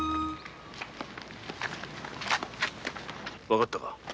分かったか？